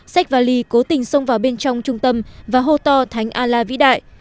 xách vali cố tình xông vào bên trong trung tâm và hô to thánh à la vĩ đại